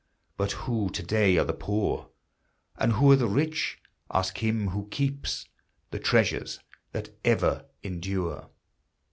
But who to day are the poor, And who are the rich? Ask him who keeps The treasures that ever endure.